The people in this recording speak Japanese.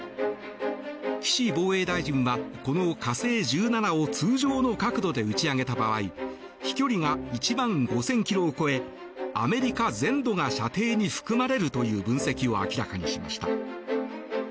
岸防衛大臣はこの火星１７を通常の角度で打ち上げた場合飛距離が１万５０００ｋｍを超えアメリカ全土が射程に含まれるという分析を明らかにしました。